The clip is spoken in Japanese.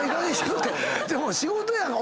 でも仕事やから。